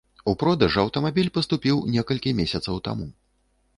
У продаж аўтамабіль паступіў некалькі месяцаў таму.